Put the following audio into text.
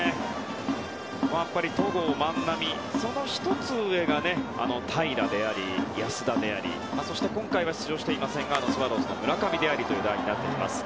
戸郷、万波その１つ上が平良であり、安田でありそして今回は出場していませんがスワローズの村上という代になってきています。